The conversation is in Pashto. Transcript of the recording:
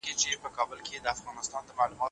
د اطلاعاتو تجزیه ډېر وخت او پاملرنه غواړي.